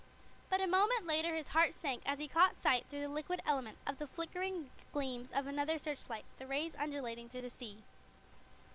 But a moment later his heart sank as he caught sight, through the liquid element, of the flickering gleams of another searchlight, the rays undulating through the sea.